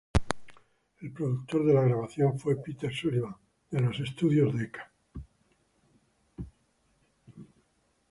El productor de la grabación fue Peter Sullivan, de los estudios Decca.